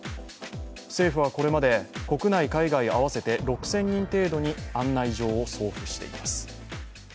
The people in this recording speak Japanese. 政府はこれまで国内・海外合わせて６０００人程度に案内状を送付しています。